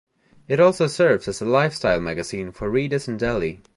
It also serves as a lifestyle magazine for readers in Delhi.